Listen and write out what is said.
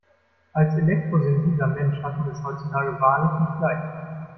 Als elektrosensibler Mensch hat man es heutzutage wahrlich nicht leicht.